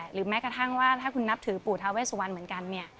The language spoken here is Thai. หรือแม้กระทั่งว่าถ้าคุณนับถือปู่ทาเวสวันเหมือนกันเนี่ย